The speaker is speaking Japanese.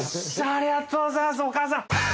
ありがとうございますお母さん。